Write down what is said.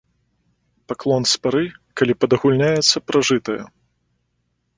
Паклон з пары, калі падагульняецца пражытае.